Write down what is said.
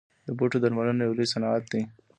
د بوټو درملنه یو لوی صنعت دی